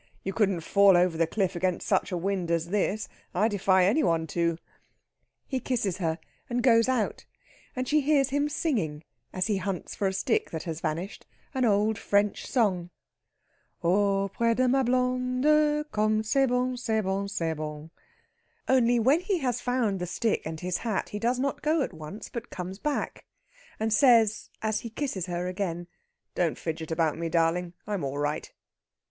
"You couldn't fall over the cliff against such a wind as this. I defy any one to." He kisses her and goes out, and she hears him singing, as he hunts for a stick that has vanished, an old French song: "Auprès de ma blond e Comme c'est bon c'est bon c'est bon...." Only, when he has found the stick and his hat, he does not go at once, but comes back, and says, as he kisses her again: "Don't fidget about me, darling; I'm all right."